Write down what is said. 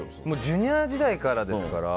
Ｊｒ．時代からですから。